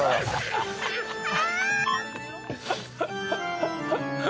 ハハハハ！